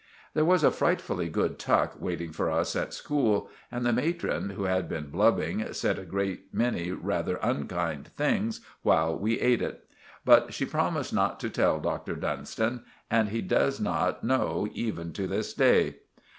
There was fritefully good tuck waiting for us at school, and the Matron, who had been blubbing, said a grate many rather unkind things while we eat it. But she promised not to tell Dr Dunstan and he does not no even to this day.